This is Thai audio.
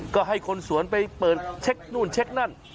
ก็ให้คนสวนไปเปิดเช็คนู่นเช็คนั่น